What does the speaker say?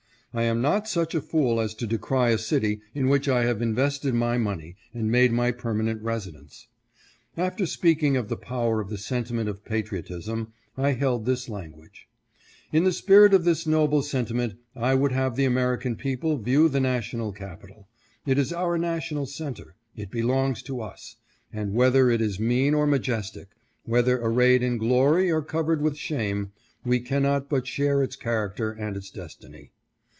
I am not such a fool as to decry a city in which I have invested my money and made my permanent residence. '' After speaking of the power of the sentiment of patriotism I held this language :' In the spirit of this noble sentiment I would have the American people view the national capital. It is our national center. It belongs to us ; and whether it is mean or majestic, whether arrayed in glory or covered with shame, we cannot but share its character and its destiny.